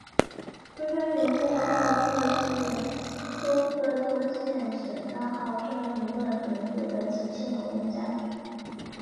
出生于呼和浩特市托克托县什拉毫村一个贫苦的秦姓农民家庭。